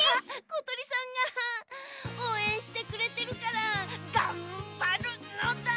ことりさんがおうえんしてくれてるからがんばるのだ！